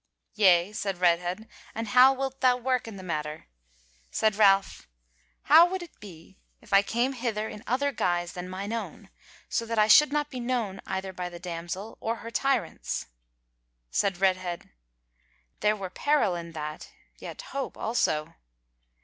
"Yea," said Redhead, "and how wilt thou work in the matter?" Said Ralph; "How would it be if I came hither in other guise than mine own, so that I should not be known either by the damsel or her tyrants?" Said Redhead: "There were peril in that; yet hope also.